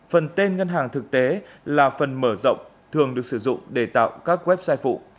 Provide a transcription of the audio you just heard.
phần tên ngân hàng thực tế là phần mở rộng thường được sử dụng để tạo các website phụ